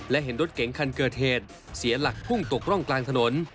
และเห็นรถเก๋งคันเกิดเหตุเสียหลักพุ่งตกร่องกลางถนน